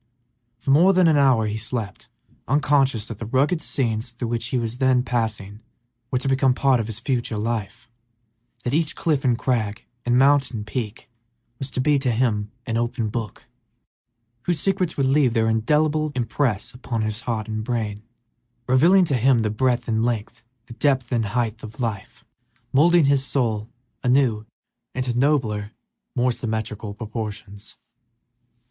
For more than an hour he slept, unconscious that the rugged scenes through which he was then passing were to become part of his future life; that each cliff and crag and mountain peak was to be to him an open book, whose secrets would leave their indelible impress upon his heart and brain, revealing to him the breadth and length, the depth and height of life, moulding his soul anew into nobler, more symmetrical proportions.